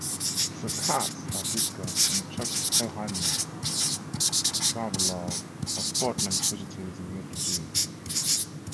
The cats are discussed in Chuck Palahniuk's travelogue of Portland, "Fugitives and Refugees".